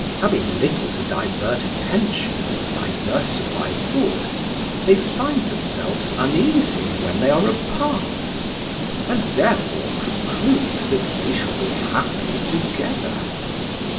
Having little to divert attention or diversify thought, they find themselves uneasy when they are apart, and therefore conclude that they shall be happy together.